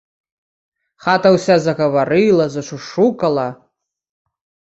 Хата ўся загаварыла, зашушукала.